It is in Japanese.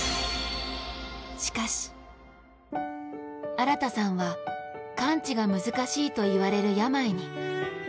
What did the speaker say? しかし、新さんは完治が難しいといわれる病に。